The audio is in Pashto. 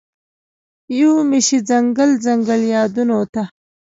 یومي شي ځنګل، ځنګل یادونوته